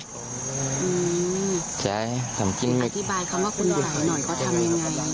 อธิบายคำว่าคุณดรนท์ก็ทำยังไง